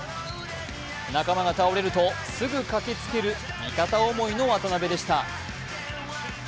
仲間が倒れるとすぐ駆けつける味方思いの渡邊でした。